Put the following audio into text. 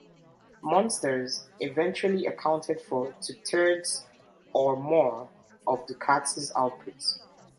Monsters eventually accounted for two-thirds or more of Ducati's output.